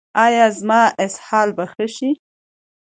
ایا زما اسهال به ښه شي؟